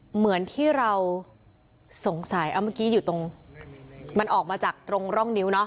เหมือนที่เราสงสัยมันออกมาจากตรงร่องนิ้วเนาะ